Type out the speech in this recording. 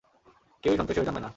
কেউই সন্ত্রাসী হয়ে জন্মায় না।